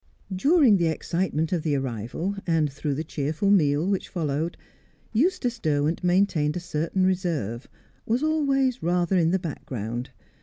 During the excitement of the arrival, and through the cheerful meal which followed, Eustace Derwent maintained a certain reserve, was always rather in the background.